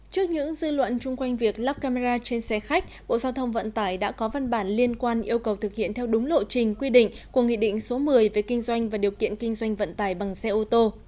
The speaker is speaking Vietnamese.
trước những dư luận chung quanh việc lắp camera trên xe khách bộ giao thông vận tải đã có văn bản liên quan yêu cầu thực hiện theo đúng lộ trình quy định của nghị định số một mươi về kinh doanh và điều kiện kinh doanh vận tải bằng xe ô tô